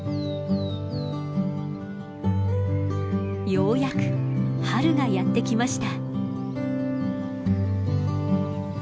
ようやく春がやって来ました。